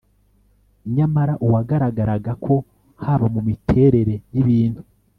nyamara uwagaragaraga ko haba mu miterere y'ibintu